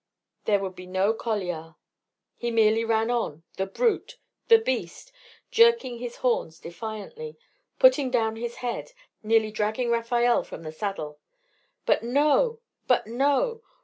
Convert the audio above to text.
There would be no coliar! He merely ran on the brute! the beast! jerking his horns defiantly, putting down his head, nearly dragging Rafael from the saddle. But no! but no!